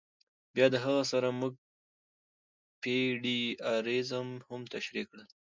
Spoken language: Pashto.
بیا د هغه سره مونږ پی ډی آریز هم تشریح کړل.